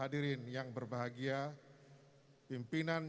dan selain pon